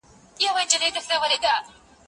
ته ولي شګه پاکوې،